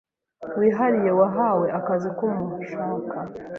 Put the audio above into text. wihariye wahawe akazi kumushaka